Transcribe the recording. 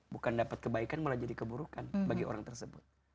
bukan dapat kebaikan malah jadi keburukan bagi orang tersebut